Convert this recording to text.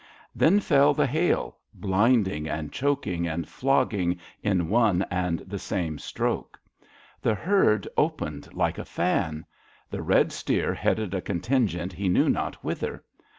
Then fell the hail— blind ing and choking and flogging in one and the same stroke. The herd opened like a fan. The red steer headed a contingent he knew not whither.